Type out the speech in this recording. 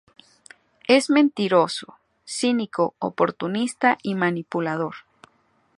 Es mentiroso, cínico, oportunista y manipulador.